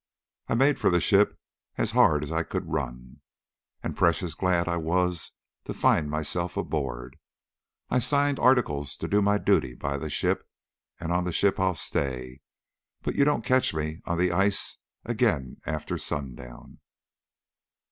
I made for the ship as hard as I could run, and precious glad I was to find myself aboard. I signed articles to do my duty by the ship, and on the ship I'll stay, but you don't catch me on the ice again after sundown."